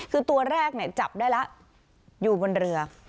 คือตัวแรกเนี่ยจับได้แล้วอยู่บนเรือ